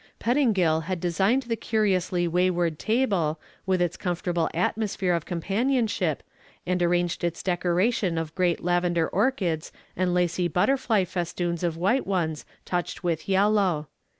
Pettingill had designed the curiously wayward table, with its comfortable atmosphere of companionship, and arranged its decoration of great lavender orchids and lacy butterfly festoons of white ones touched with yellow.